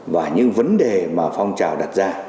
và những vấn đề mà phong trào đặt ra